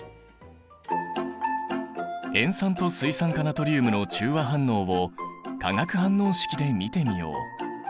塩酸と水酸化ナトリウムの中和反応を化学反応式で見てみよう。